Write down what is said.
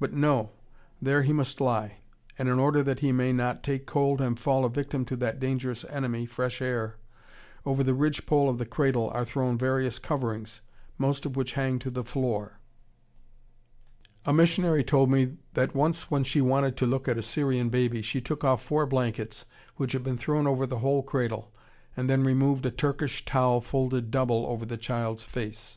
But no, there he must lie, and, in order that he may not take cold and fall a victim to that dangerous enemy, fresh air, over the ridgepole of the cradle are thrown various coverings, most of which hang to the floor. A missionary told me that once when she wanted to look at a Syrian baby, she took off four blankets which had been thrown over the whole cradle, and then removed a Turkish towel folded double over the child's face.